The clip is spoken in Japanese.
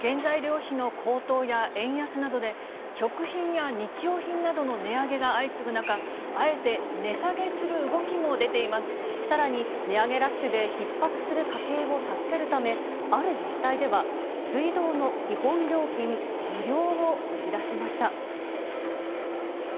原材料費の高騰や円安などで、食品や日用品などの値上げが相次ぐ中、あえて値下げする動きも出さらに、値上げラッシュでひっ迫する家計を助けるため、ある自治体では水道の基本料金無料を打ち出しました。